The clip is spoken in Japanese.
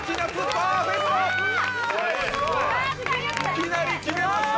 いきなり決めました！